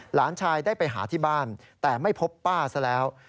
หลานชายได้ไปหาที่บ้านแต่ไม่พบป้าซะแล้ว